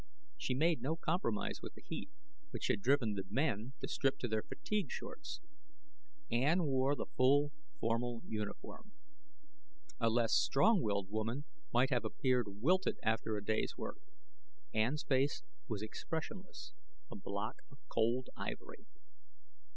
She made no compromise with the heat, which had driven the men to strip to their fatigue shorts. Ann wore the full, formal uniform. A less strong willed woman might have appeared wilted after a day's work. Ann's face was expressionless, a block of cold ivory.